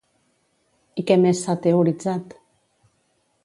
I què més s'ha teoritzat?